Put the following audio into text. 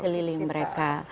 di sekeliling mereka